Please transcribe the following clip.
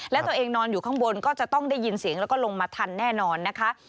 และตัวเองนอนอยู่ข้างบนก็จะต้องได้ยินเสียงแล้วก็ลงมาทันแน่นอนนะคะ